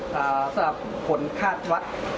แต่สำหรับผลคาดวัด